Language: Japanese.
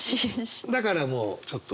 だからもうちょっと。